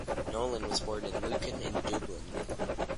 Nolan was born in Lucan in Dublin.